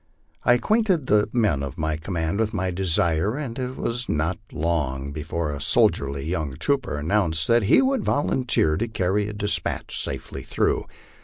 I acquainted the men of my command with rny desire, and it was not long before a soldierly young trooper announced that he would volunteer to carry a despatch safely through.